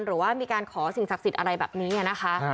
หรือว่ามีการขอสิ่งศักดิ์สิทธิ์อะไรแบบนี้นะคะ